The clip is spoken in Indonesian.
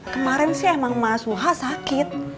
kemarin sih emang mahasiswa sakit